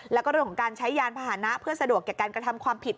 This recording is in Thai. แล้วก็รวมกันใช้ยานพาหานะเพื่อสะดวกให้การกระทำความผิด